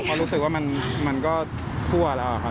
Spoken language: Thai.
เพราะรู้สึกว่ามันก็ทั่วแล้วครับ